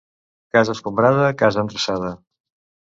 Casa escombrada, casa endreçada.